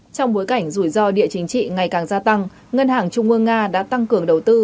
trong bối cảnh rủi ro địa chính trị ngày càng gia tăng ngân hàng trung ương nga đã tăng cường đầu tư